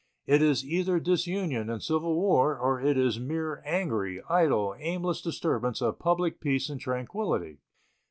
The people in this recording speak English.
It is either disunion and civil war or it is mere angry, idle, aimless disturbance of public peace and tranquillity.